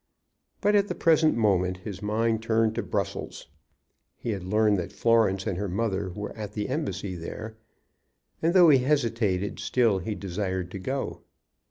But at the present moment his mind turned to Brussels. He had learned that Florence and her mother were at the embassy there, and, though he hesitated, still he desired to go.